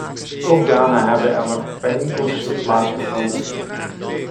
Ook daarna hebben er nog bijeenkomsten plaatsgevonden.